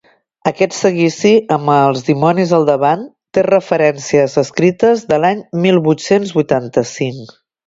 Aquest seguici amb els dimonis al davant té referències escrites de l'any mil vuit-cents vuitanta-cinc.